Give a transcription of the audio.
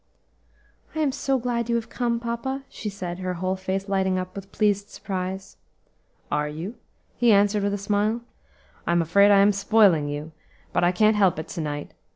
"I am so glad you have come, papa," she said, her whole face lighting up with pleased surprise. "Are you?" he answered with a smile. "I'm afraid I am spoiling you; but I can't help it to night.